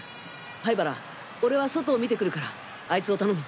灰原俺は外を見てくるからあいつを頼む！